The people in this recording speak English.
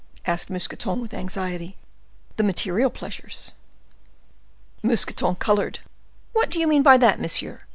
asked Mousqueton, with anxiety. "The material pleasures." Mousqueton colored. "What do you mean by that, monsieur?"